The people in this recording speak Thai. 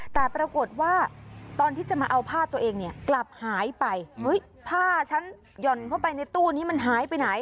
แต่ปรากฏว่าตอนที่จะมาเอาผ้าตัวเองเนี่ยกลับหายไปเฮ้ยผ้าฉันหย่อนเข้าไปในตู้นี้มันหายไปไหน